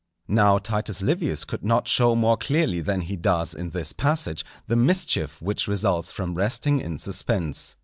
Now Titus Livius could not show more clearly than he does in this passage, the mischief which results from resting in suspense.